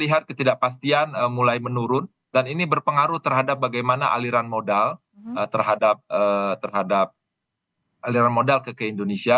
kita melihat ketidakpastian mulai menurun dan ini berpengaruh terhadap bagaimana aliran modal ke indonesia